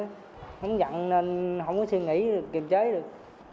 không dặn nên không có suy nghĩ được kịp chế được